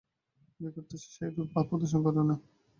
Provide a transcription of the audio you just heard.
বিগতোচ্ছ্বাস সে রূপ আর প্রদর্শন করে না।